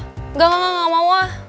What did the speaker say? enggak enggak enggak mau ah